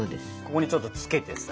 ここにちょっとつけてさ。